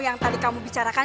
yang tadi kamu bicarakan